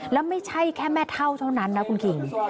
แล้วไม่ใช่แค่แม่เท่านั้นนะคุณคิง